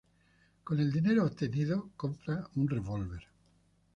Con el dinero obtenido, compra un revólver.